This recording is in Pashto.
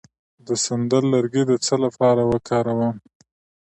د سندل لرګی د څه لپاره وکاروم؟